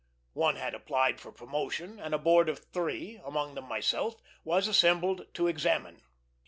One had applied for promotion, and a board of three, among them myself, was assembled to examine.